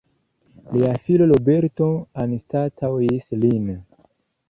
Lia filo Roberto anstataŭis lin.